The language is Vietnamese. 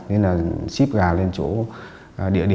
với nạn nhân